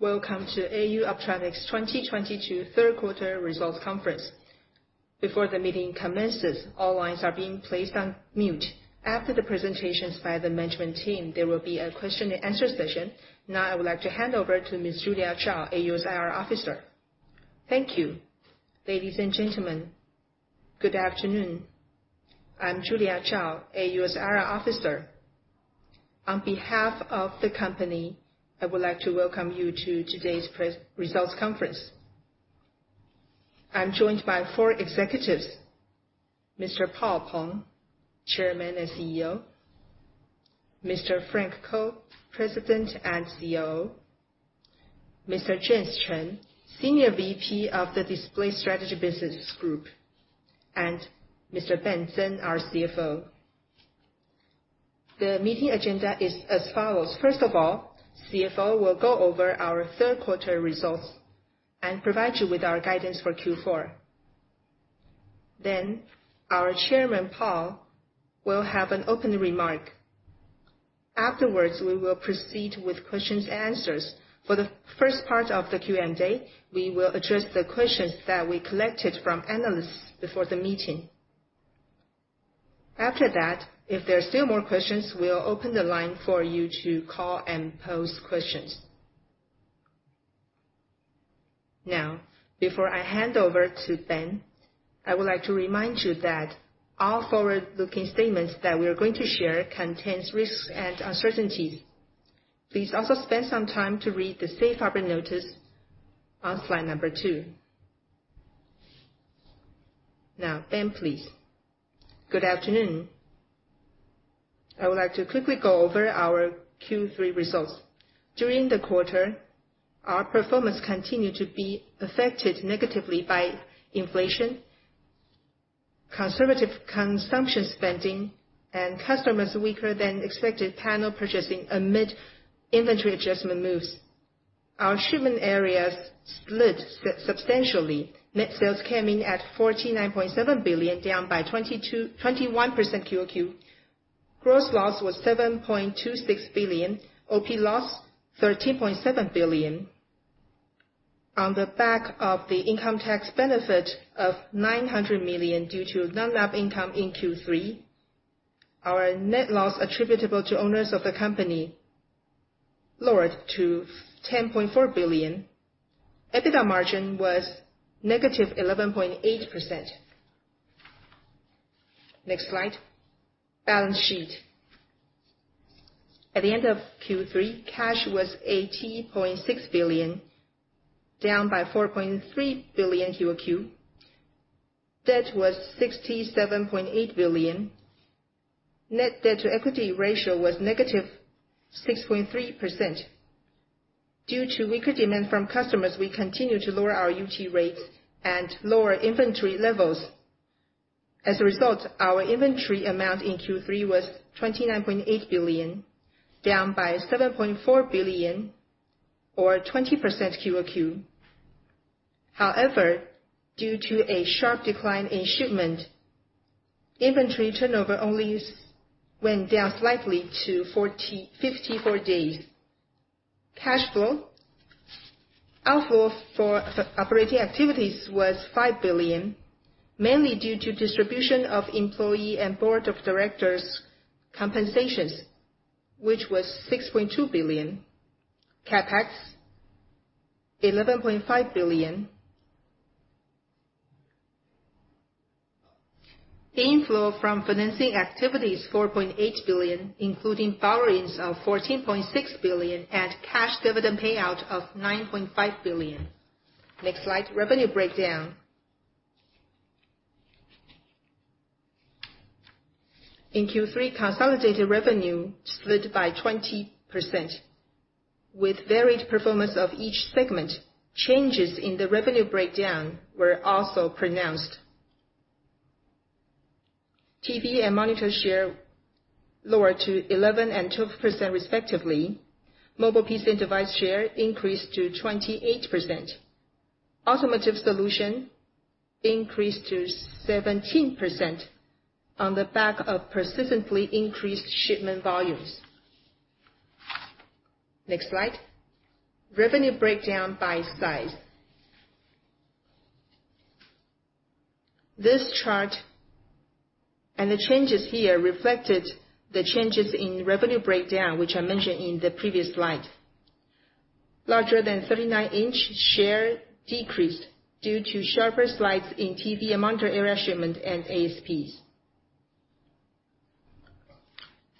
Welcome to AUO 2022 Q3 results conference. Before the meeting commences, all lines are being placed on mute. After the presentations by the management team, there will be a question and answer session. Now, I would like to hand over to Ms. Julia Chao, AUO's IR officer. Thank you. Ladies and gentlemen, good afternoon. I'm Julia Chao, AUO's IR officer. On behalf of the company, I would like to welcome you to today's results conference. I'm joined by four executives, Mr. Paul Peng, Chairman and CEO, Mr. Frank Ko, President and COO, Mr. James Chen, Senior VP of the Display Strategy Business Group, and Mr. Ben Tseng, our CFO. The meeting agenda is as follows. First of all, CFO will go over our Q3 results and provide you with our guidance for Q4. Then our chairman, Paul, will have an opening remark. Afterwards, we will proceed with questions and answers. For the first part of the Q&A, we will address the questions that we collected from analysts before the meeting. After that, if there are still more questions, we'll open the line for you to call and pose questions. Now, before I hand over to Ben, I would like to remind you that all forward-looking statements that we are going to share contains risks and uncertainties. Please also spend some time to read the safe harbor notice on slide number two. Now, Ben, please. Good afternoon. I would like to quickly go over our Q3 results. During the quarter, our performance continued to be affected negatively by inflation, conservative consumption spending, and customers' weaker than expected panel purchasing amid inventory adjustment moves. Our shipment areas slid substantially. Net sales came in at 49.7 billion, down by 21% QOQ. Gross loss was 7.26 billion. Operating loss, 13.7 billion. On the back of the income tax benefit of 900 million due to non-GAAP income in Q3, our net loss attributable to owners of the company lowered to ten point four billion. EBITDA margin was negative 11.8%. Next slide. Balance sheet. At the end of Q3, cash was 80.6 billion, down by 4.3 billion QOQ. Debt was 67.8 billion. Net debt to equity ratio was negative 6.3%. Due to weaker demand from customers, we continue to lower our utilization rates and lower inventory levels. As a result, our inventory amount in Q3 was 29.8 billion, down by 7.4 billion or 20% QOQ. However, due to a sharp decline in shipment, inventory turnover only went down slightly to 54 days. Cash flow outflow for operating activities was 5 billion, mainly due to distribution of employee and board of directors compensations, which was 6.2 billion. CapEx, 11.5 billion. The inflow from financing activities, 4.8 billion, including borrowings of 14.6 billion and cash dividend payout of 9.5 billion. Next slide, revenue breakdown. In Q3, consolidated revenue slid by 20%. With varied performance of each segment, changes in the revenue breakdown were also pronounced. TV and monitor share lowered to 11% and 12% respectively. Mobile PC and device share increased to 28%. Automotive solution increased to 17% on the back of persistently increased shipment volumes. Next slide. Revenue breakdown by size. This chart and the changes here reflected the changes in revenue breakdown, which I mentioned in the previous slide. Larger than 39-inch share decreased due to sharper declines in TV and monitor area shipment and ASPs.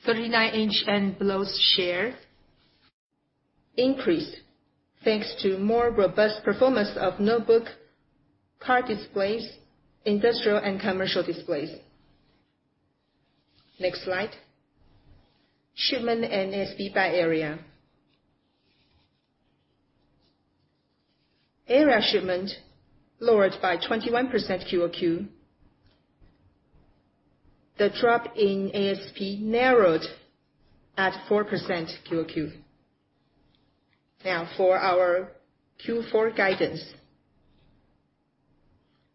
39-inch and below share increased thanks to more robust performance of notebook, car displays, industrial and commercial displays. Next slide. Shipment and ASP by area. Area shipment lowered by 21% QOQ. The drop in ASP narrowed at 4% QOQ. Now for our Q4 guidance.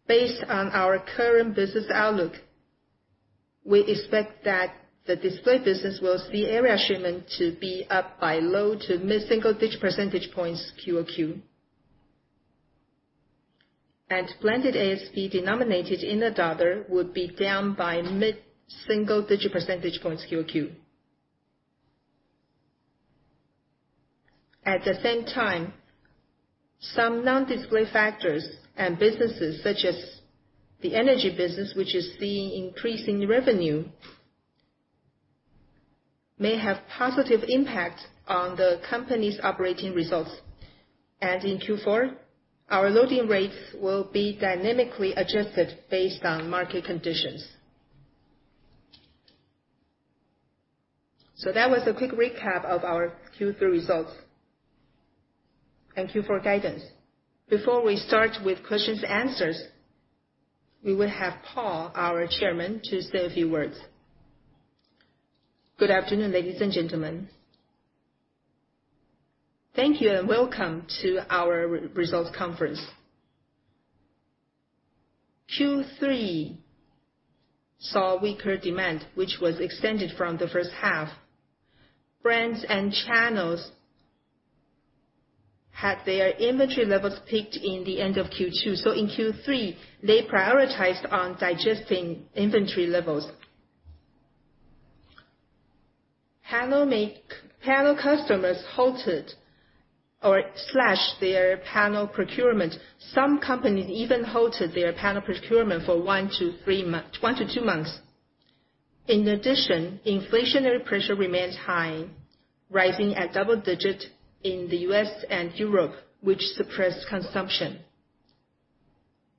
Based on our current business outlook, we expect that the display business will see area shipment to be up by low- to mid-single-digit percentage points QOQ. Blended ASP denominated in the dollar would be down by mid-single-digit percentage points QOQ. At the same time, some non-display factors and businesses such as the energy business, which is seeing increase in revenue, may have positive impact on the company's operating results. In Q4, our loading rates will be dynamically adjusted based on market conditions. That was a quick recap of our Q3 results and Q4 guidance. Before we start with questions and answers, we will have Mr. Paul Peng, our Chairman, to say a few words. Good afternoon, ladies and gentlemen. Thank you and welcome to our Q3 results conference. Q3 saw weaker demand, which was extended from the first half. Brands and channels had their inventory levels peaked in the end of Q2. In Q3, they prioritized on digesting inventory levels. Panel customers halted or slashed their panel procurement. Some companies even halted their panel procurement for one to two months. In addition, inflationary pressure remains high, rising at double-digit rates in the US and Europe, which suppressed consumption.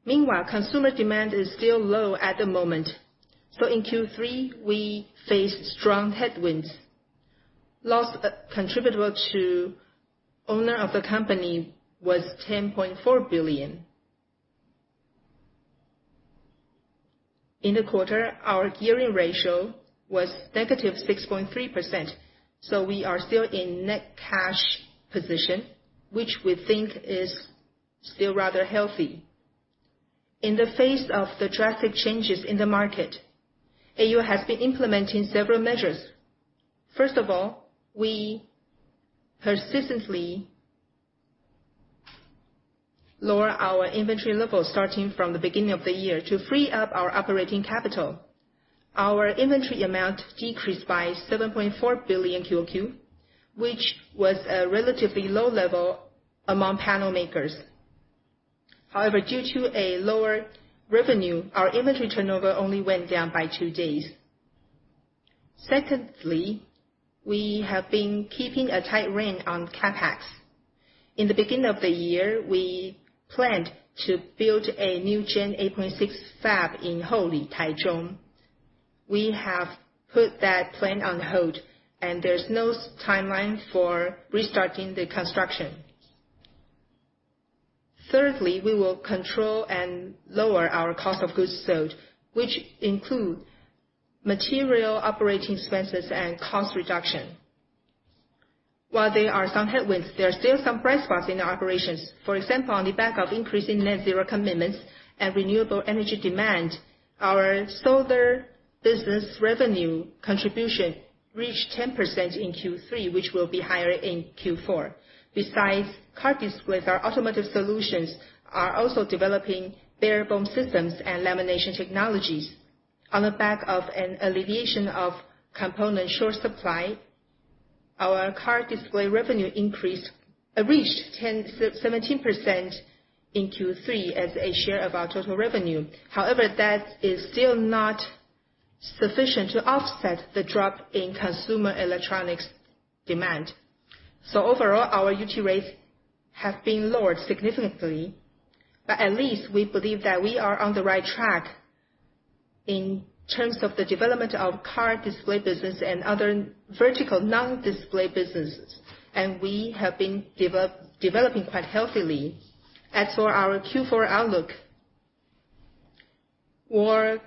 Meanwhile, consumer demand is still low at the moment. In Q3, we faced strong headwinds. Loss attributable to owner of the company was 10.4 billion. In the quarter, our gearing ratio was -6.3%, so we are still in net cash position, which we think is still rather healthy. In the face of the drastic changes in the market, AUO has been implementing several measures. First of all, we persistently lower our inventory levels starting from the beginning of the year to free up our operating capital. Our inventory amount decreased by 7.4 billion QOQ, which was a relatively low level among panel makers. However, due to a lower revenue, our inventory turnover only went down by 2 days. Secondly, we have been keeping a tight rein on CapEx. In the beginning of the year, we planned to build a new Gen 8.6 fab in Houli, Taichung. We have put that plan on hold, and there's no set timeline for restarting the construction. Thirdly, we will control and lower our cost of goods sold, which include material operating expenses and cost reduction. While there are some headwinds, there are still some bright spots in our operations. For example, on the back of increasing net zero commitments and renewable energy demand, our solar business revenue contribution reached 10% in Q3, which will be higher in Q4. Besides car displays, our automotive solutions are also developing barebone systems and lamination technologies. On the back of an alleviation of component short supply, our car display revenue reached 17% in Q3 as a share of our total revenue. However, that is still not sufficient to offset the drop in consumer electronics demand. Overall, our utilization rates have been lowered significantly, but at least we believe that we are on the right track in terms of the development of car display business and other vertical non-display businesses. We have been developing quite healthily. As for our Q4 outlook, war,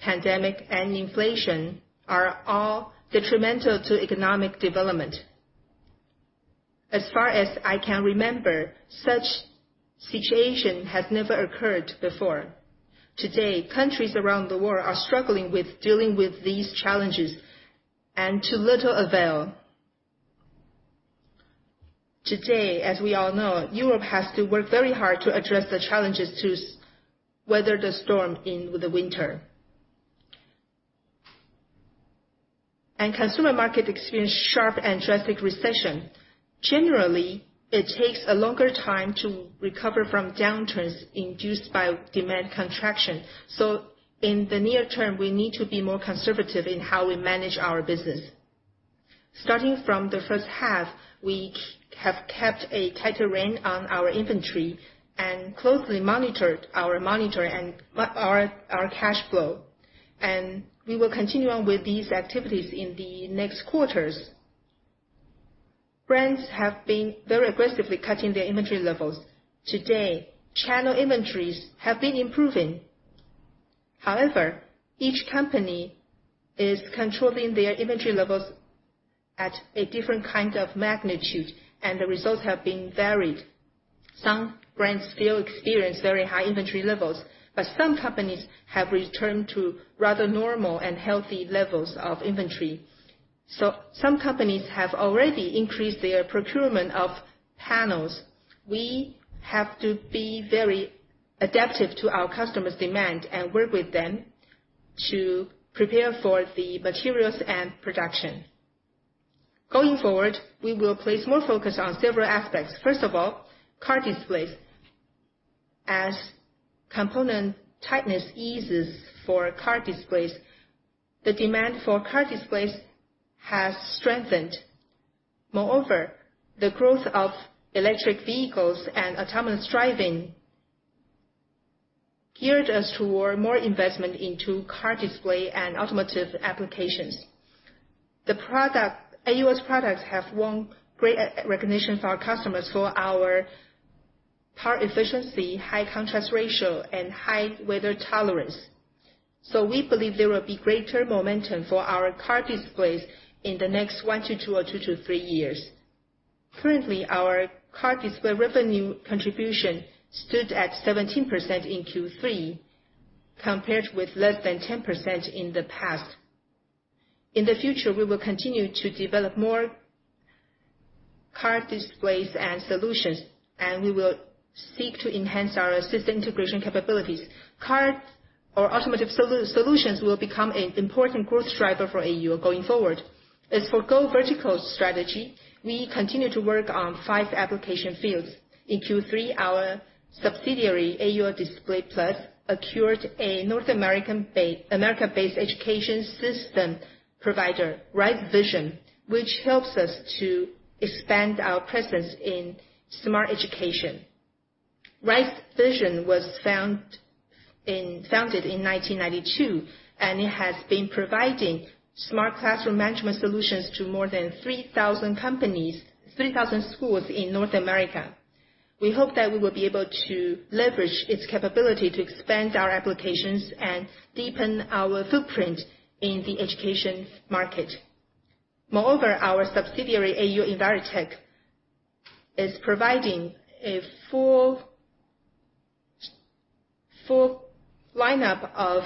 pandemic, and inflation are all detrimental to economic development. As far as I can remember, such situation has never occurred before. Today, countries around the world are struggling with dealing with these challenges, and to little avail. Today, as we all know, Europe has to work very hard to address the challenges to weather the storm in the winter. Consumer market experienced sharp and drastic recession. Generally, it takes a longer time to recover from downturns induced by demand contraction. In the near term, we need to be more conservative in how we manage our business. Starting from the first half, we have kept a tighter rein on our inventory and closely monitored our cash flow. We will continue on with these activities in the next quarters. Brands have been very aggressively cutting their inventory levels. Today, channel inventories have been improving. However, each company is controlling their inventory levels at a different kind of magnitude, and the results have been varied. Some brands still experience very high inventory levels, but some companies have returned to rather normal and healthy levels of inventory. Some companies have already increased their procurement of panels. We have to be very adaptive to our customers' demand and work with them to prepare for the materials and production. Going forward, we will place more focus on several aspects. First of all, car displays. As component tightness eases for car displays, the demand for car displays has strengthened. Moreover, the growth of electric vehicles and autonomous driving geared us toward more investment into car display and automotive applications. AUO's products have won great recognition for our customers for our power efficiency, high contrast ratio and high weather tolerance. We believe there will be greater momentum for our car displays in the next 1-2 or 2-3 years. Currently, our car display revenue contribution stood at 17% in Q3, compared with less than 10% in the past. In the future, we will continue to develop more car displays and solutions, and we will seek to enhance our system integration capabilities. Car or automotive solutions will become an important growth driver for AUO going forward. As for Go Vertical strategy, we continue to work on five application fields. In Q3, our subsidiary, AUO Display Plus, acquired a North America-based education system provider, Rise Vision, which helps us to expand our presence in smart education. Rise Vision was founded in 1992, and it has been providing smart classroom management solutions to more than 3,000 schools in North America. We hope that we will be able to leverage its capability to expand our applications and deepen our footprint in the education market. Moreover, our subsidiary, AUO Envirotech, is providing a full lineup of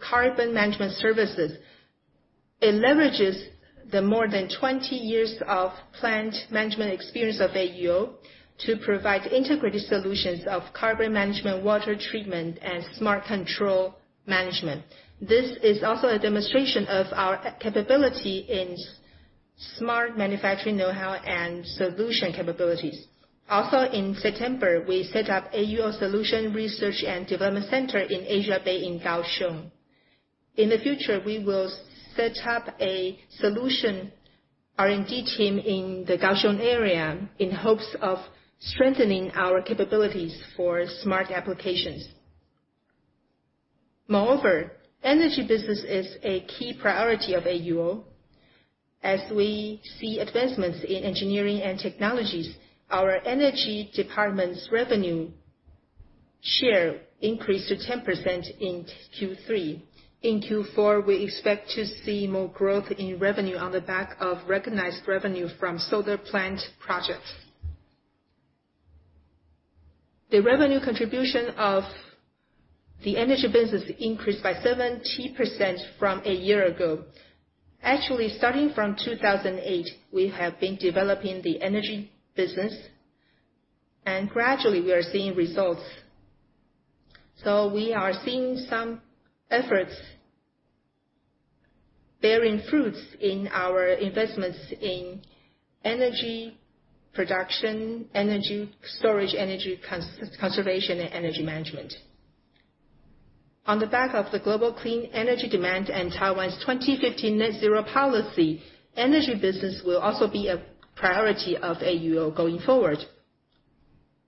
carbon management services. It leverages the more than 20 years of plant management experience of AUO to provide integrated solutions of carbon management, water treatment and smart control management. This is also a demonstration of our capability in smart manufacturing know-how and solution capabilities. Also in September, we set up AUO Solution Research and Development Center in Asia New Bay Area in Kaohsiung. In the future, we will set up a solution R&D team in the Kaohsiung area in hopes of strengthening our capabilities for smart applications. Moreover, energy business is a key priority of AUO. As we see advancements in engineering and technologies, our energy department's revenue share increased to 10% in Q3. In Q4, we expect to see more growth in revenue on the back of recognized revenue from solar plant projects. The revenue contribution of the energy business increased by 70% from a year ago. Actually, starting from 2008, we have been developing the energy business, and gradually we are seeing results. We are seeing some efforts bearing fruits in our investments in energy production, energy storage, energy conservation, and energy management. On the back of the global clean energy demand and Taiwan's 2050 net zero policy, energy business will also be a priority of AUO going forward.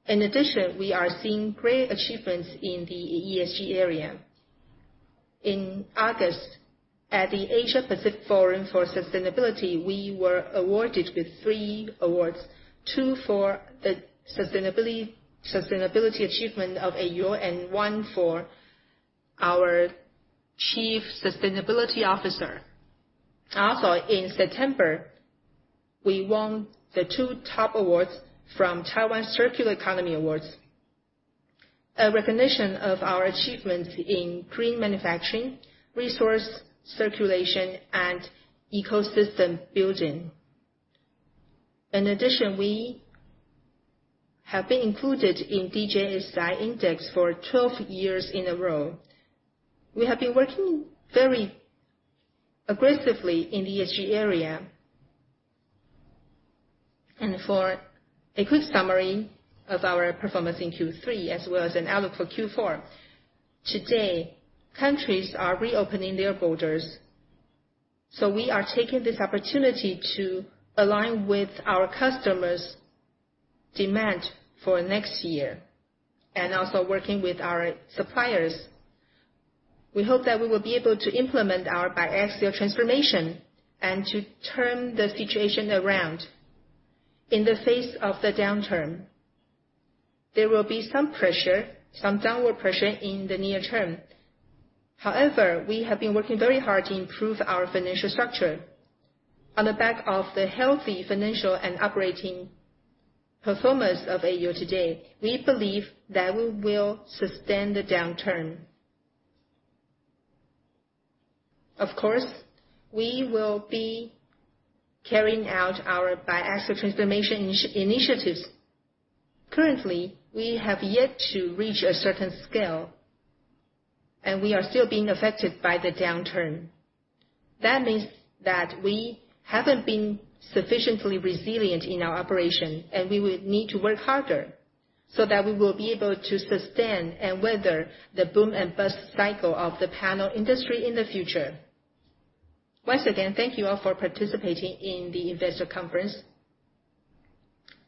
In addition, we are seeing great achievements in the ESG area. In August, at the Asia-Pacific Sustainability Action Awards, we were awarded with 3 awards. 2 for the sustainability achievement of AUO, and one for our chief sustainability officer. In September, we won the two top awards from Taiwan Circular Economy Awards, a recognition of our achievements in green manufacturing, resource circulation, and ecosystem building. In addition, we have been included in DJSI index for 12 years in a row. We have been working very aggressively in the ESG area. For a quick summary of our performance in Q3 as well as an outlook for Q4, today, countries are reopening their borders, so we are taking this opportunity to align with our customers' demand for next year. Also working with our suppliers. We hope that we will be able to implement our biaxial transformation and to turn the situation around. In the face of the downturn, there will be some pressure, some downward pressure in the near term. However, we have been working very hard to improve our financial structure. On the back of the healthy financial and operating performance of AUO today, we believe that we will sustain the downturn. Of course, we will be carrying out our biaxial transformation initiatives. Currently, we have yet to reach a certain scale, and we are still being affected by the downturn. That means that we haven't been sufficiently resilient in our operation, and we would need to work harder so that we will be able to sustain and weather the boom and bust cycle of the panel industry in the future. Once again, thank you all for participating in the investor conference.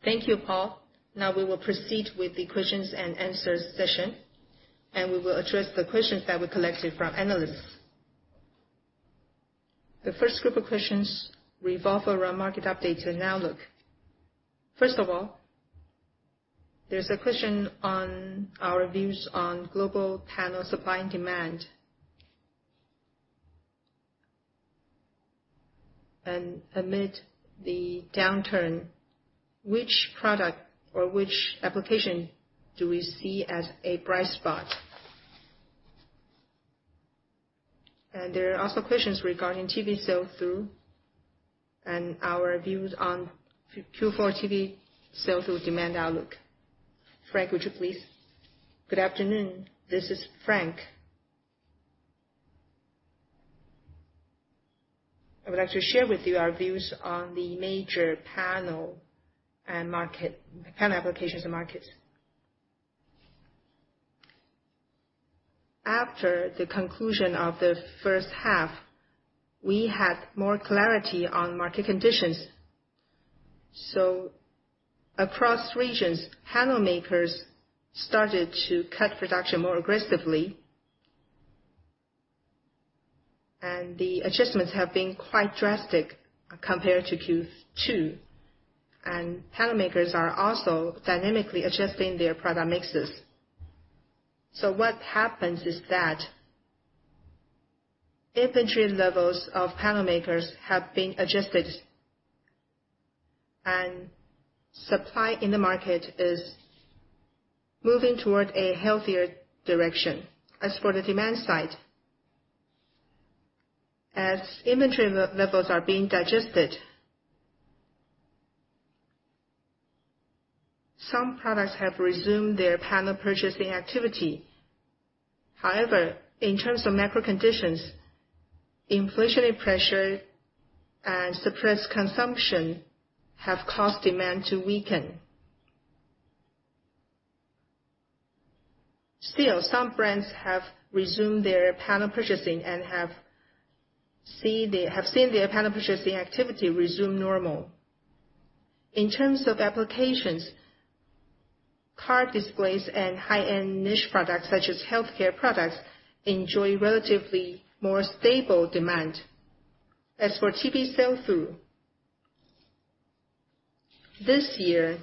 Thank you, Paul. Now we will proceed with the questions and answers session, and we will address the questions that we collected from analysts. The first group of questions revolve around market updates and outlook. First of all, there's a question on our views on global panel supply and demand. Amid the downturn, which product or which application do we see as a bright spot? There are also questions regarding TV sell-through and our views on Q3-Q4 TV sell-through demand outlook. Frank, would you please? Good afternoon. This is Frank. I would like to share with you our views on the panel applications and market. After the conclusion of the first half, we had more clarity on market conditions. Across regions, panel makers started to cut production more aggressively. The adjustments have been quite drastic compared to Q2. Panel makers are also dynamically adjusting their product mixes. What happens is that inventory levels of panel makers have been adjusted, and supply in the market is moving toward a healthier direction. As for the demand side, as inventory levels are being digested, some products have resumed their panel purchasing activity. However, in terms of macro conditions, inflationary pressure and suppressed consumption have caused demand to weaken. Still, some brands have resumed their panel purchasing and have seen their panel purchasing activity resume normal. In terms of applications, car displays and high-end niche products such as healthcare products enjoy relatively more stable demand. As for TV sell-through, this year,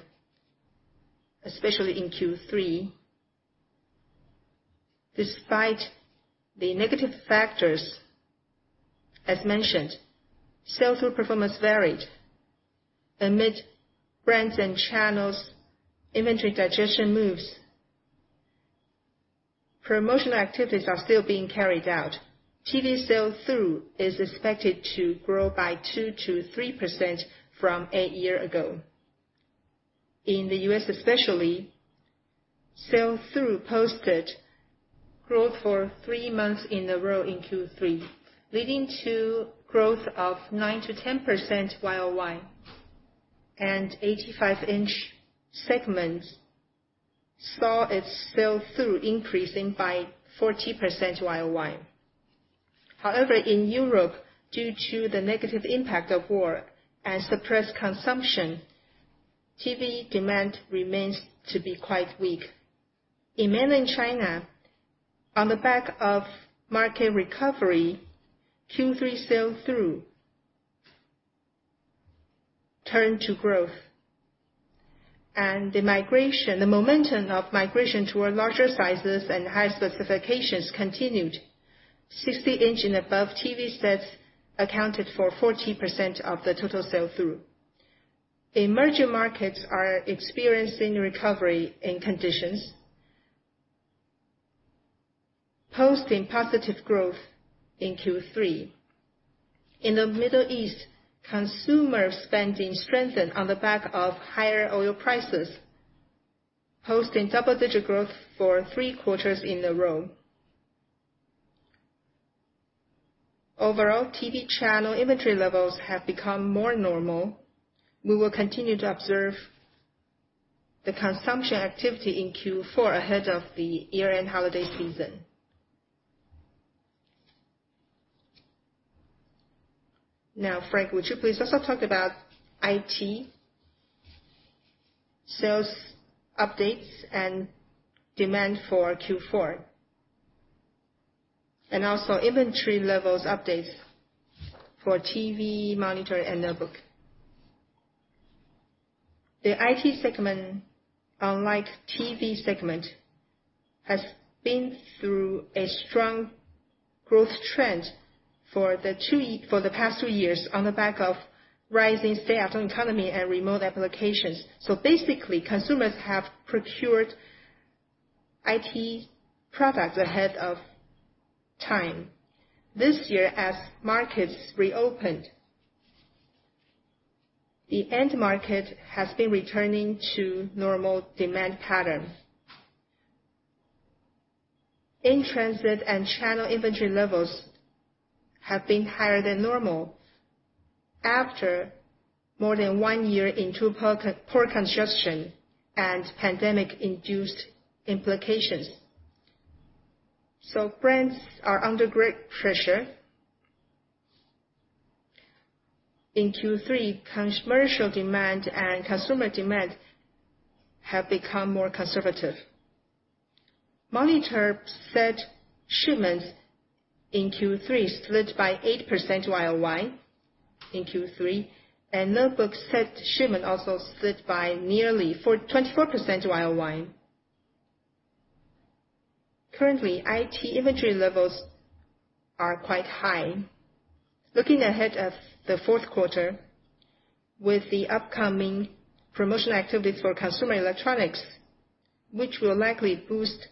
especially in Q3, despite the negative factors as mentioned, sell-through performance varied. Amid brands and channels, inventory digestion moves. Promotional activities are still being carried out. TV sell-through is expected to grow by 2%-3% from a year ago. In the U.S. especially, sell-through posted growth for three months in a row in Q3, leading to growth of 9%-10% YOY. 85-inch segments saw its sell-through increasing by 40% YOY. However, in Europe, due to the negative impact of war and suppressed consumption, TV demand remains to be quite weak. In Mainland China, on the back of market recovery, Q3 sell-through turned to growth. The momentum of migration toward larger sizes and high specifications continued. 60-inch and above TV sets accounted for 40% of the total sell-through. Emerging markets are experiencing recovery in conditions, posting positive growth in Q3. In the Middle East, consumer spending strengthened on the back of higher oil prices, posting double-digit growth for three quarters in a row. Overall, TV channel inventory levels have become more normal. We will continue to observe the consumption activity in Q4 ahead of the year-end holiday season. Now, Mr. Frank Ko, would you please also talk about IT sales updates and demand for Q4? Also inventory levels updates for TV, monitor, and notebook. The IT segment, unlike TV segment, has been through a strong growth trend for the past two years on the back of rising stay-at-home economy and remote applications. Basically, consumers have procured IT products ahead of time. This year, as markets reopened, the end market has been returning to normal demand pattern. In-transit and channel inventory levels have been higher than normal after more than 1 year of poor consumption and pandemic-induced implications. Brands are under great pressure. In Q3, commercial demand and consumer demand have become more conservative. Monitor set shipments in Q3 slid by 8% YOY in Q3, and notebook set shipment also slid by nearly 24% YOY. Currently, IT inventory levels are quite high. Looking ahead of the Q4, with the upcoming promotion activities for consumer electronics, which will likely boost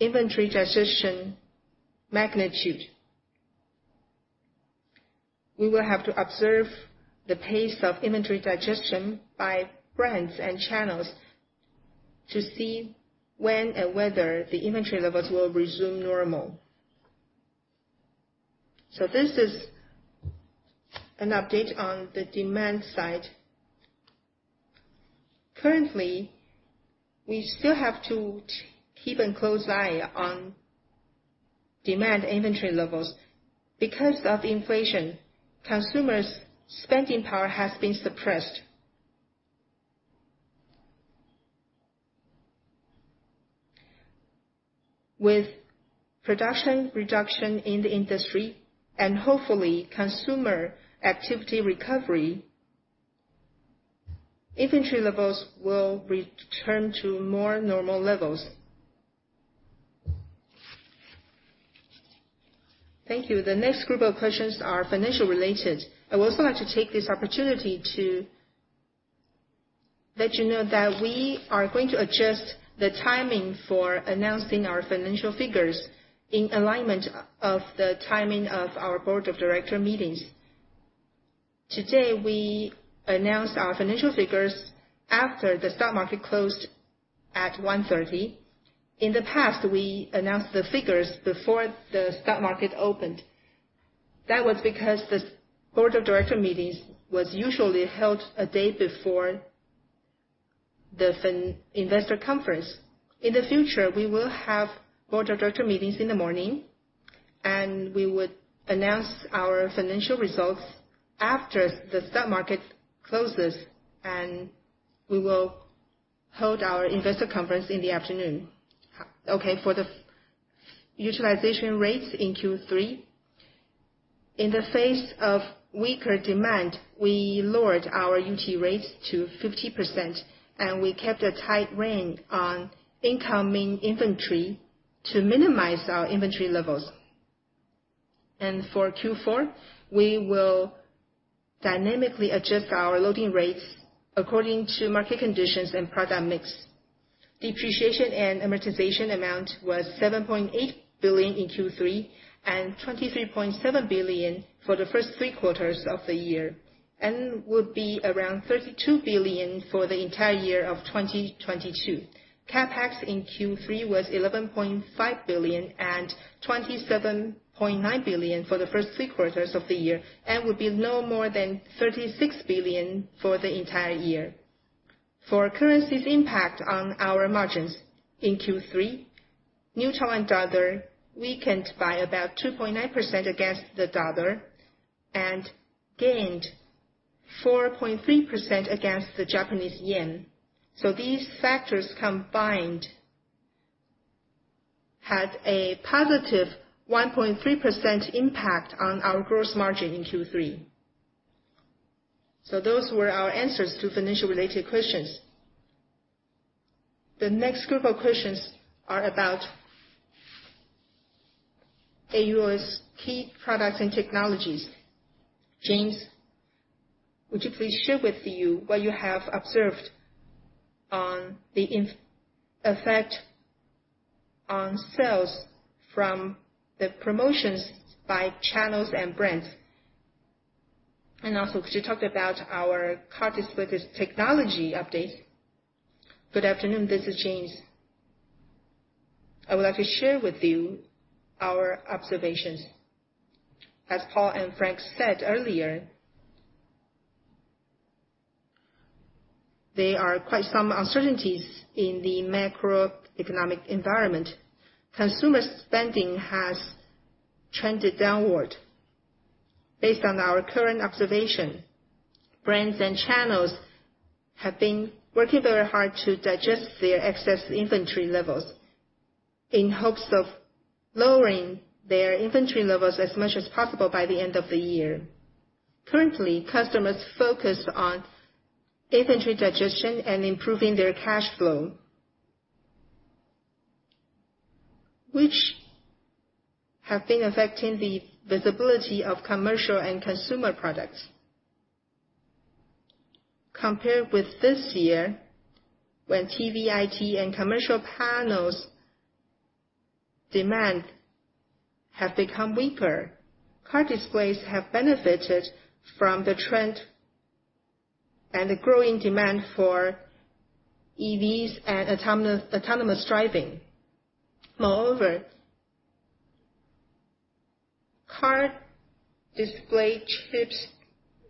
inventory digestion magnitude. We will have to observe the pace of inventory digestion by brands and channels to see when and whether the inventory levels will resume normal. This is an update on the demand side. Currently, we still have to keep a close eye on demand inventory levels. Because of inflation, consumers' spending power has been suppressed. With production reduction in the industry and hopefully consumer activity recovery, inventory levels will return to more normal levels. Thank you. The next group of questions are financial-related. I would also like to take this opportunity to let you know that we are going to adjust the timing for announcing our financial figures in alignment of the timing of our board of director meetings. Today, we announced our financial figures after the stock market closed at 1:30 P.M. In the past, we announced the figures before the stock market opened. That was because the board of director meetings was usually held a day before the investor conference. In the future, we will have board of director meetings in the morning, and we would announce our financial results after the stock market closes, and we will hold our investor conference in the afternoon. Okay, for the utilization rates in Q3. In the face of weaker demand, we lowered our utilization rates to 50%, and we kept a tight rein on incoming inventory to minimize our inventory levels. For Q4, we will dynamically adjust our loading rates according to market conditions and product mix. Depreciation and amortization amount was 7.8 billion in Q3, and 23.7 billion for the first three quarters of the year, and will be around 32 billion for the entire year of 2022. CapEx in Q3 was 11.5 billion and 27.9 billion for the first three quarters of the year and would be no more than 36 billion for the entire year. For currency impact on our margins in Q3, New Taiwan Dollar weakened by about 2.9% against the US dollar and gained 4.3% against the Japanese yen. These factors combined had a positive 1.3% impact on our gross margin in Q3. Those were our answers to financial-related questions. The next group of questions are about AUO's key products and technologies. James, would you please share with you what you have observed on the effect on sales from the promotions by channels and brands? Could you talk about our car display technology updates? Good afternoon, this is James. I would like to share with you our observations. As Paul and Frank said earlier, there are quite some uncertainties in the macroeconomic environment. Consumer spending has trended downward. Based on our current observation, brands and channels have been working very hard to digest their excess inventory levels in hopes of lowering their inventory levels as much as possible by the end of the year. Currently, customers focus on inventory digestion and improving their cash flow, which have been affecting the visibility of commercial and consumer products. Compared with this year, when TV, IT, and commercial panels demand have become weaker, car displays have benefited from the trend and the growing demand for EVs and autonomous driving. Moreover, car display chip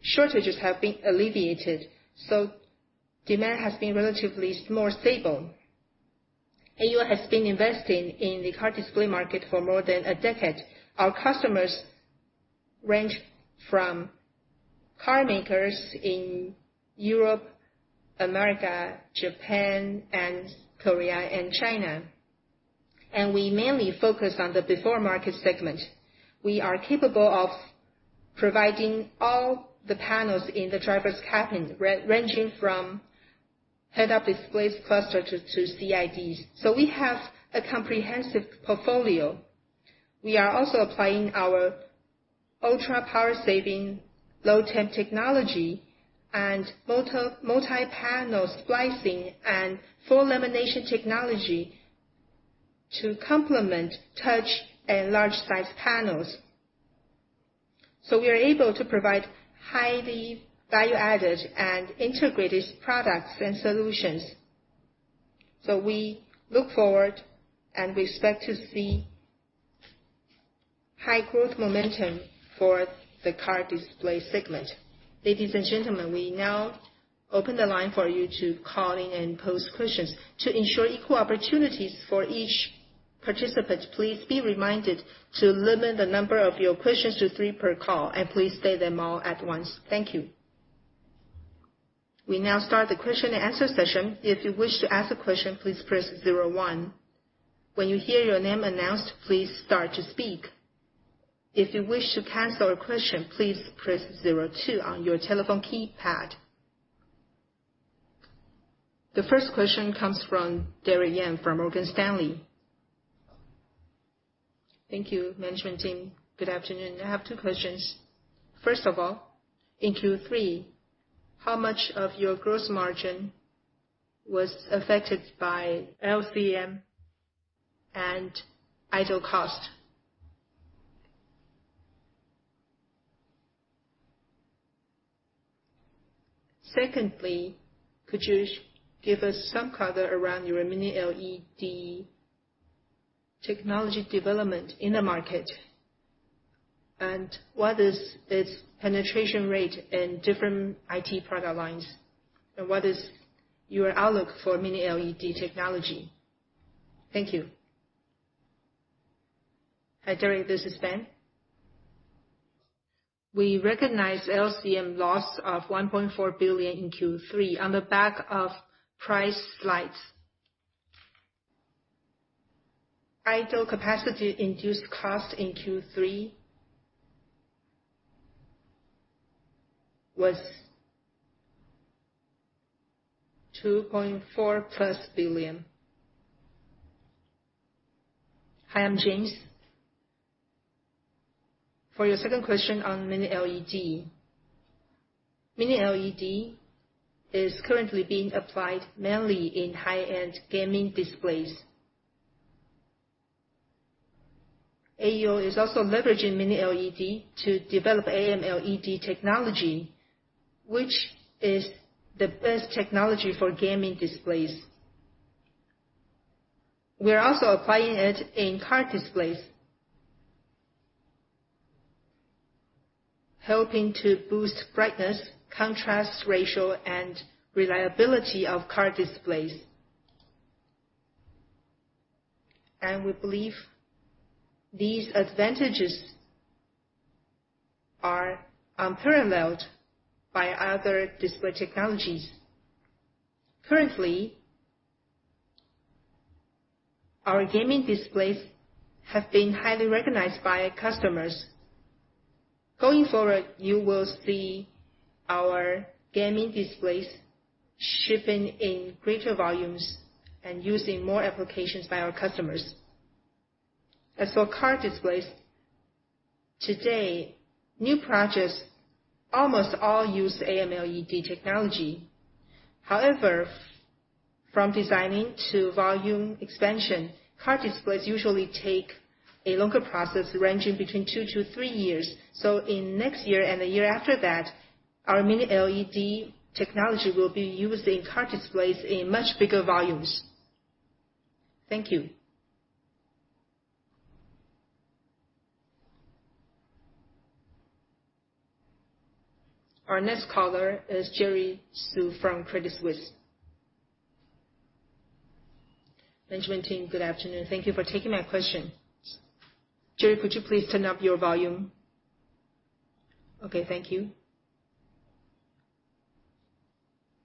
shortages have been alleviated, so demand has been relatively more stable. AUO has been investing in the car display market for more than a decade. Our customers range from car makers in Europe, America, Japan, Korea, and China, and we mainly focus on the OEM market segment. \We are capable of providing all the panels in the driver's cabin, ranging from head-up displays, cluster to CIDs. We have a comprehensive portfolio. We are also applying our ultra power saving low temp technology and multi-panel splicing and full lamination technology to complement touch and large size panels. We are able to provide highly value-added and integrated products and solutions. We look forward and we expect to see high growth momentum for the car display segment. Ladies and gentlemen, we now open the line for you to call in and pose questions. To ensure equal opportunities for each participant, please be reminded to limit the number of your questions to three per call, and please state them all at once. Thank you. We now start the question and answer session. If you wish to ask a question, please press zero one. When you hear your name announced, please start to speak. If you wish to cancel a question, please press zero two on your telephone keypad. The first question comes from Derrick Yang from Morgan Stanley. Thank you, management team. Good afternoon. I have two questions. First of all, in Q3, how much of your gross margin was affected by LCM and idle cost? Secondly, could you give us some color around your Mini LED technology development in the market? And what is its penetration rate in different IT product lines, and what is your outlook for Mini LED technology? Thank you. Hi, Derrick, this is Ben. We recognize LCM loss of 1.4 billion in Q3 on the back of price slides. Idle capacity induced cost in Q3 was TWD 2.4+ billion. Hi, I'm James. For your second question on Mini LED. Mini LED is currently being applied mainly in high-end gaming displays. AUO is also leveraging Mini LED to develop AM-LED technology, which is the best technology for gaming displays. We are also applying it in car displays, helping to boost brightness, contrast ratio, and reliability of car displays. We believe these advantages are unparalleled by other display technologies. Currently, our gaming displays have been highly recognized by customers. Going forward, you will see our gaming displays shipping in greater volumes and used in more applications by our customers. As for car displays, today, new projects almost all use AM-LED technology. However, from designing to volume expansion, car displays usually take a longer process, ranging between 2-3 years. In next year and the year after that, our Mini LED technology will be used in car displays in much bigger volumes. Thank you. Our next caller is Jerry Su from Credit Suisse. Benjamin Ting, good afternoon. Thank you for taking my question. Jerry, could you please turn up your volume? Okay, thank you.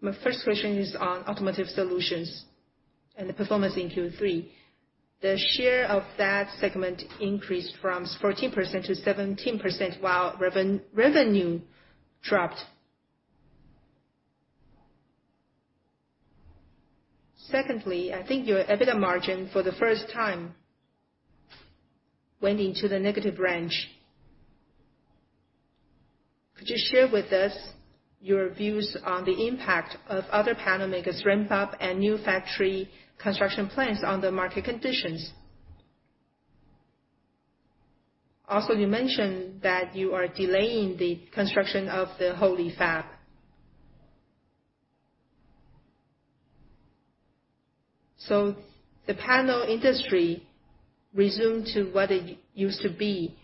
My first question is on automotive solutions and the performance in Q3. The share of that segment increased from 14%-17% while revenue dropped. Secondly, I think your EBITDA margin for the first time went into the negative range. Could you share with us your views on the impact of other panel makers ramp up and new factory construction plans on the market conditions? Also, you mentioned that you are delaying the construction of the Houli fab. The panel industry resumed to what it used to be.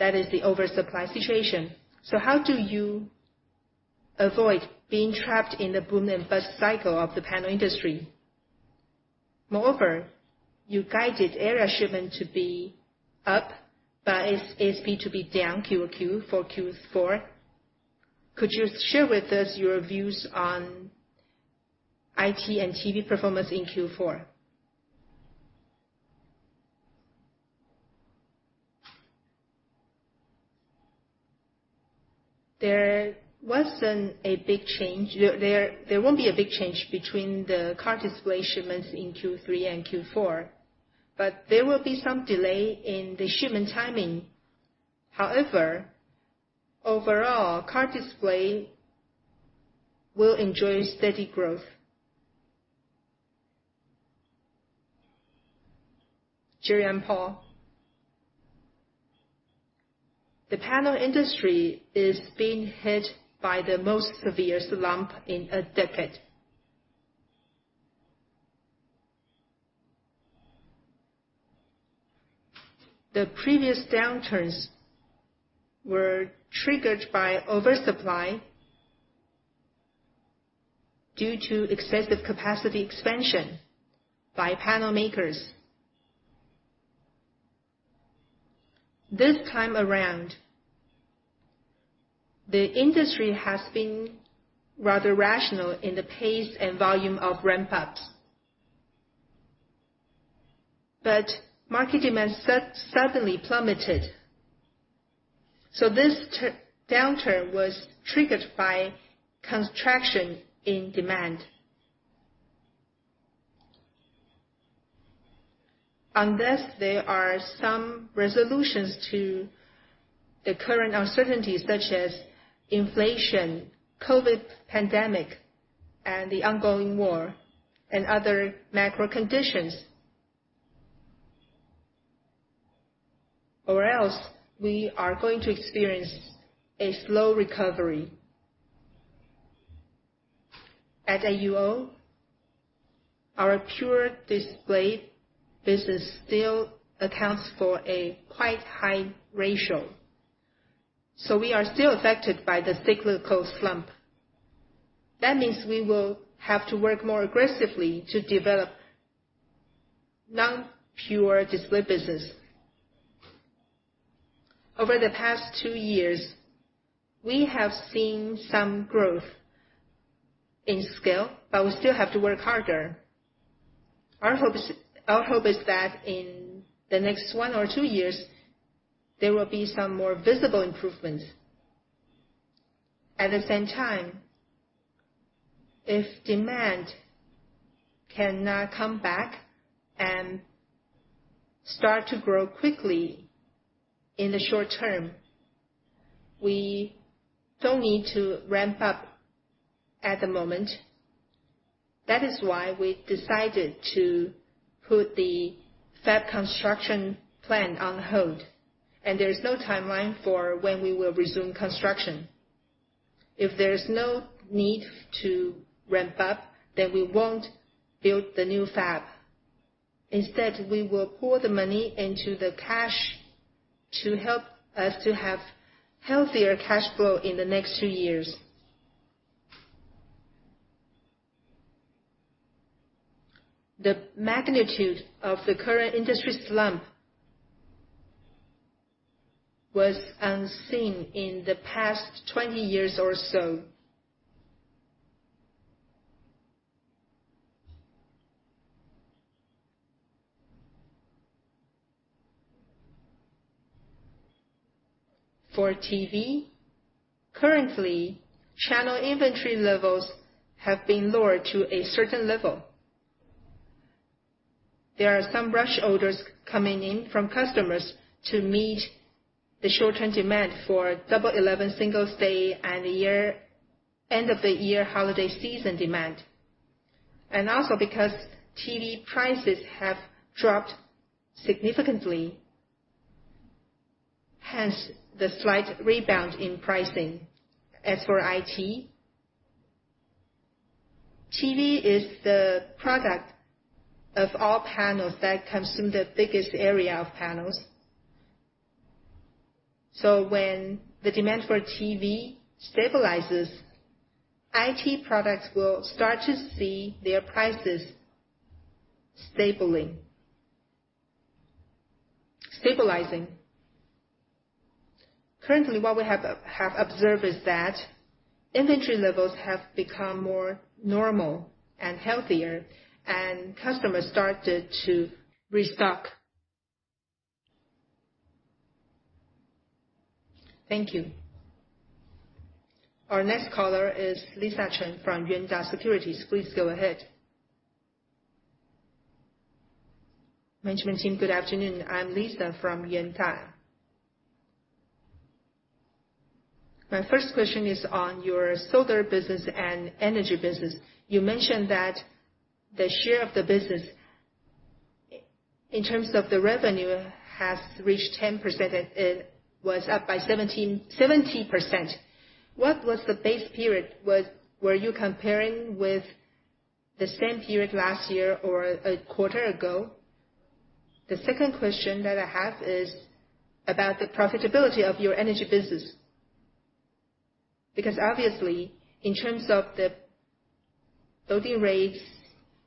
That is the oversupply situation. How do you avoid being trapped in the boom and bust cycle of the panel industry? Moreover, you guided area shipment to be up, but ASP to be down QOQ for Q4. Could you share with us your views on IT and TV performance in Q4? There won't be a big change between the current display shipments in Q3 and Q4, but there will be some delay in the shipment timing. However, overall, car display will enjoy steady growth. Jerry and Paul. The panel industry is being hit by the most severe slump in a decade. The previous downturns were triggered by oversupply due to excessive capacity expansion by panel makers. This time around, the industry has been rather rational in the pace and volume of ramp ups. Market demand suddenly plummeted, so this downturn was triggered by contraction in demand. Unless there are some resolutions to the current uncertainties such as inflation, COVID pandemic, and the ongoing war, and other macro conditions. Else, we are going to experience a slow recovery. As AUO, our pure display business still accounts for a quite high ratio, so we are still affected by the cyclical slump. That means we will have to work more aggressively to develop non-pure display business. Over the past 2 years, we have seen some growth in scale, but we still have to work harder. Our hope is that in the next one or two years, there will be some more visible improvements. At the same time, if demand cannot come back and start to grow quickly in the short term, we don't need to ramp up at the moment. That is why we decided to put the fab construction plan on hold, and there is no timeline for when we will resume construction. If there's no need to ramp up, then we won't build the new fab. Instead, we will pour the money into the cash to help us to have healthier cash flow in the next two years. The magnitude of the current industry slump was unseen in the past 20 years or so. For TV, currently, channel inventory levels have been lowered to a certain level. There are some rush orders coming in from customers to meet the short-term demand for Double Eleven, Singles Day and the year-end holiday season demand. Also because TV prices have dropped significantly, hence the slight rebound in pricing. As for IT, TV is the product of all panels that consume the biggest area of panels. When the demand for TV stabilizes, IT products will start to see their prices stabilizing. Currently, what we have observed is that inventory levels have become more normal and healthier, and customers started to restock. Thank you. Our next caller is Lisa Chen from Yuanta Securities. Please go ahead. Management team, good afternoon. I'm Lisa from Yuanta. My first question is on your solar business and energy business. You mentioned that the share of the business in terms of the revenue has reached 10%. It was up by 17%. What was the base period? Were you comparing with the same period last year or a quarter ago? The second question that I have is about the profitability of your energy business. Because obviously in terms of the loading rates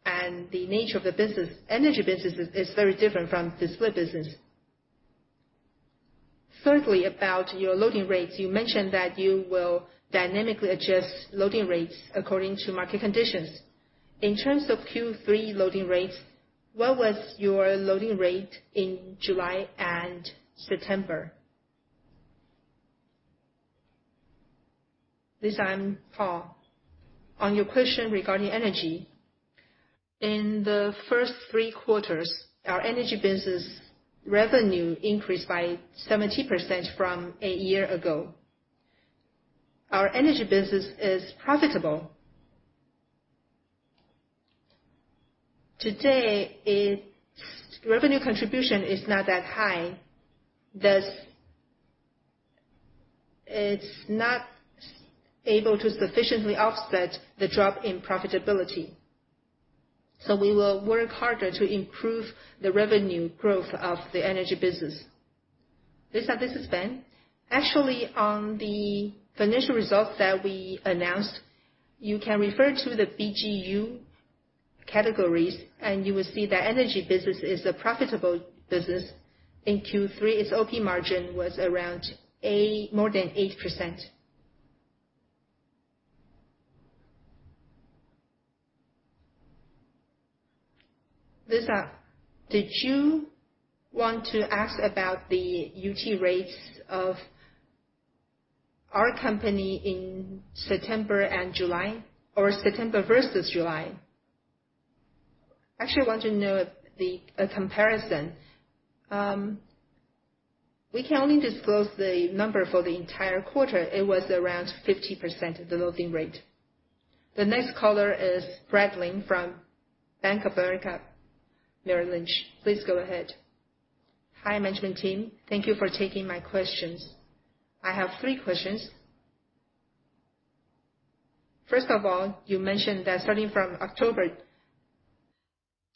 and the nature of the business, energy business is very different from display business. Thirdly, about your loading rates. You mentioned that you will dynamically adjust loading rates according to market conditions. In terms of Q3 loading rates, what was your loading rate in July and September? Lisa, I'm Paul. On your question regarding energy. In the first three quarters, our energy business revenue increased by 70% from a year ago. Our energy business is profitable. Today, its revenue contribution is not that high, thus it's not able to sufficiently offset the drop in profitability. We will work harder to improve the revenue growth of the energy business. Lisa, this is Ben. Actually, on the financial results that we announced, you can refer to the BG categories, and you will see that energy business is a profitable business. In Q3, its OP margin was around 8%. More than 8%. Lisa, did you want to ask about the utilization rates of our company in September and July or September versus July? Actually, I want to know a comparison. We can only disclose the number for the entire quarter. It was around 50%, the loading rate. The next caller is Brad Lin from Bank of America Merrill Lynch. Please go ahead. Hi, management team. Thank you for taking my questions. I have three questions. First of all, you mentioned that starting from October,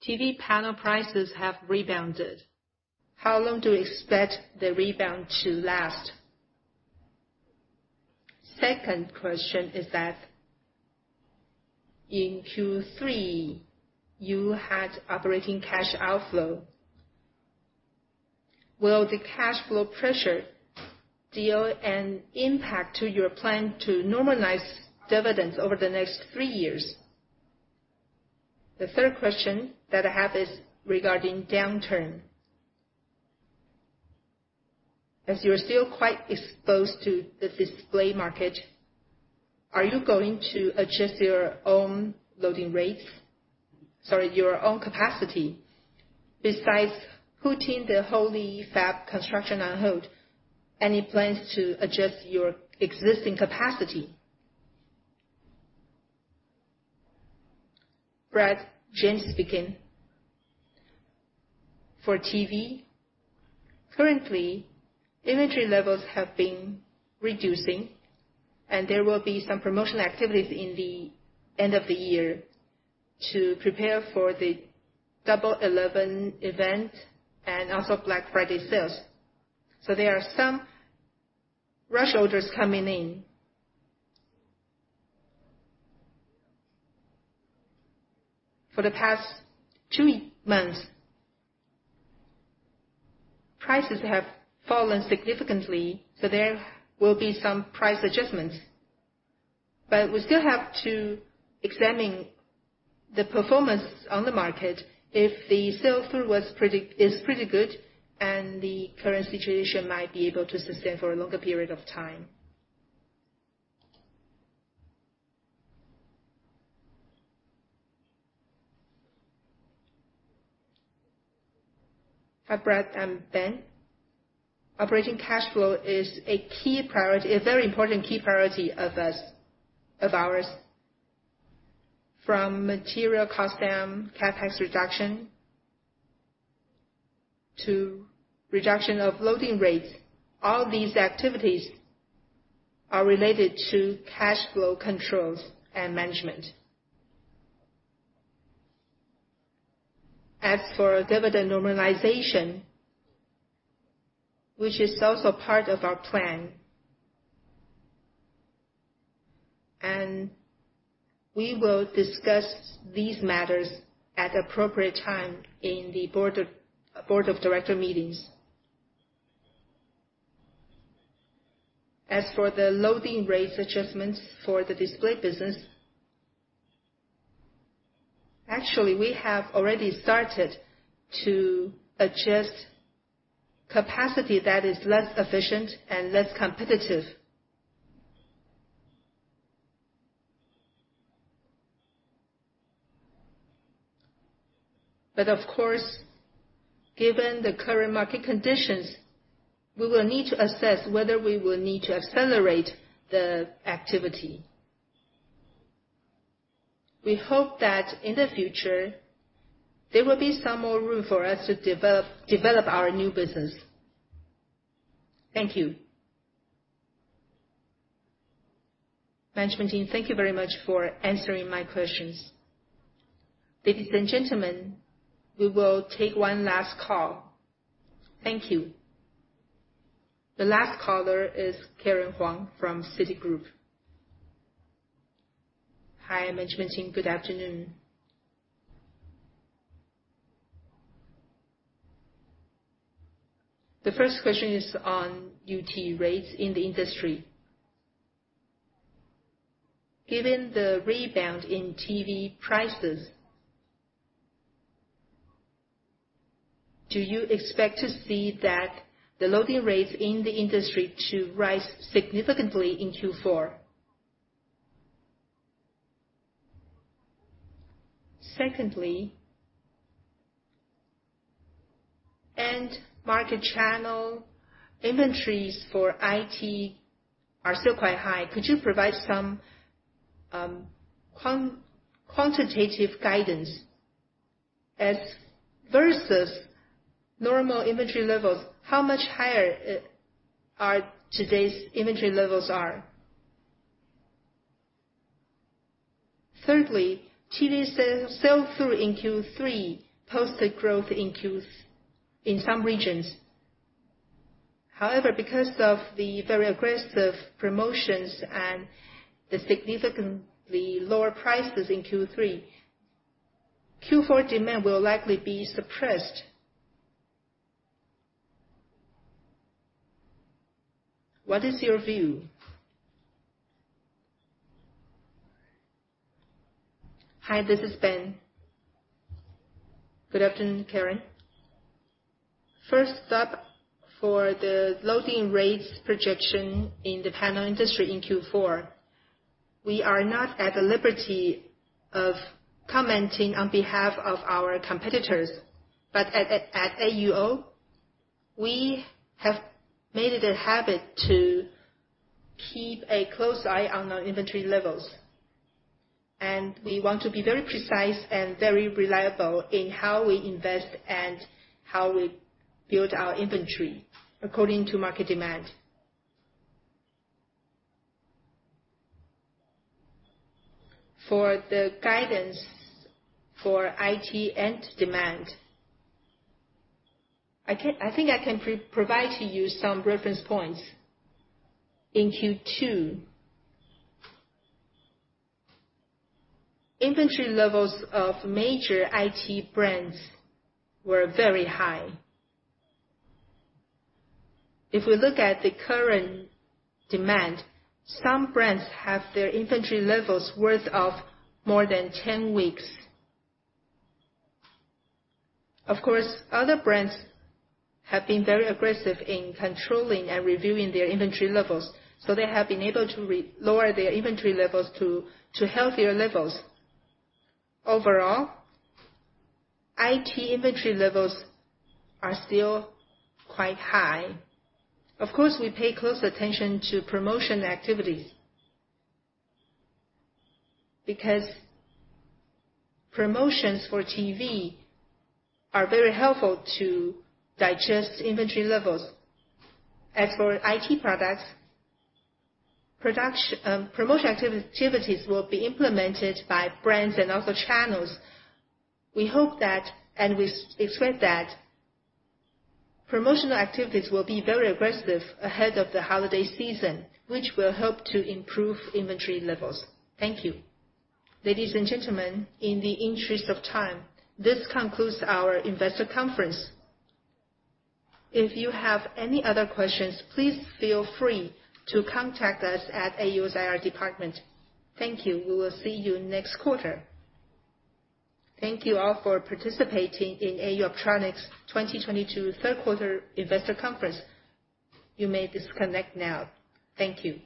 TV panel prices have rebounded. How long do you expect the rebound to last? Second question is that in Q3, you had operating cash outflow. Will the cash flow pressure have an impact on your plan to normalize dividends over the next three years? The third question that I have is regarding downturn. As you are still quite exposed to the display market, are you going to adjust your own utilization rates? Sorry. Your own capacity. Besides putting the Houli fab construction on hold, any plans to adjust your existing capacity? Brad, James Chen speaking. For TV, currently, inventory levels have been reducing, and there will be some promotional activities in the end of the year to prepare for the Double Eleven event and also Black Friday sales. There are some rush orders coming in. For the past two months, prices have fallen significantly, so there will be some price adjustments. We still have to examine the performance on the market if the sell-through is pretty good and the current situation might be able to sustain for a longer period of time. Hi, Brad. I'm Ben. Operating cash flow is a key priority, a very important key priority of us, of ours. From material cost down, CapEx reduction, to reduction of loading rates, all these activities are related to cash flow controls and management. As for dividend normalization, which is also part of our plan. We will discuss these matters at appropriate time in the board of director meetings. As for the loading rates adjustments for the display business, actually we have already started to adjust capacity that is less efficient and less competitive. Of course, given the current market conditions, we will need to assess whether we will need to accelerate the activity. We hope that in the future, there will be some more room for us to develop our new business. Thank you. Management team, thank you very much for answering my questions. Ladies and gentlemen, we will take one last call. Thank you. The last caller is Karen Huang from Citigroup. Hi, management team. Good afternoon. The first question is on utilization rates in the industry. Given the rebound in TV prices, do you expect to see that the utilization rates in the industry to rise significantly in Q4? Secondly, end market channel inventories for IT are still quite high. Could you provide some quantitative guidance as versus normal inventory levels, how much higher are today's inventory levels? Thirdly, TV sale, sell-through in Q3 posted growth in some regions. However, because of the very aggressive promotions and the significantly lower prices in Q3, Q4 demand will likely be suppressed. What is your view? Hi, this is Ben Tseng. Good afternoon, Karen Huang. First up, for the loading rates projection in the panel industry in Q4, we are not at the liberty of commenting on behalf of our competitors. At AUO, we have made it a habit to keep a close eye on our inventory levels, and we want to be very precise and very reliable in how we invest and how we build our inventory according to market demand. For the guidance for IT end demand, I think I can provide to you some reference points. In Q2, inventory levels of major IT brands were very high. If we look at the current demand, some brands have their inventory levels worth of more than 10 weeks. Of course, other brands have been very aggressive in controlling and reviewing their inventory levels, so they have been able to lower their inventory levels to healthier levels. Overall, IT inventory levels are still quite high. Of course, we pay close attention to promotion activities, because promotions for TV are very helpful to digest inventory levels. As for IT products, production, promotion activities will be implemented by brands and also channels. We hope that, and we expect that promotional activities will be very aggressive ahead of the holiday season, which will help to improve inventory levels. Thank you. Ladies and gentlemen, in the interest of time, this concludes our investor conference. If you have any other questions, please feel free to contact us at AUO's IR department. Thank you. We will see you next quarter. Thank you all for participating in AUO's 2022 Q3 investor conference. You may disconnect now. Thank you.